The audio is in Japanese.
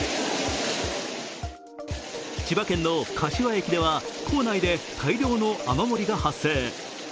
千葉県の柏駅では構内で大量の雨漏りが発生。